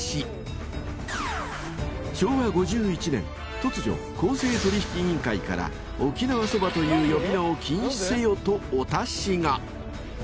［突如公正取引委員会から沖縄そばという呼び名を禁止せよとお達しが］